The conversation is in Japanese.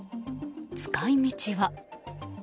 使い道は。